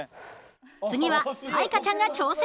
次は彩加ちゃんが挑戦！